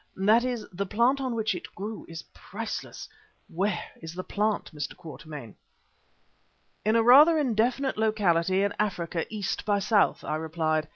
"That is, the plant on which it grew is priceless. Where is the plant, Mr. Quatermain?" "In a rather indefinite locality in Africa east by south," I replied.